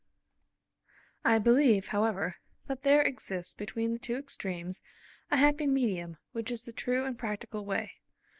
I believe, however, that there exists between the two extremes a happy medium which is the true and practical way.